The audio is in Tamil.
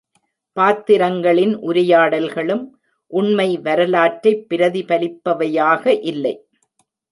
பாத்திரங்களின் உரையாடல்களும் உண்மை வரலாற்றைப் பிரதிபலிப்பவையாக இல்லை.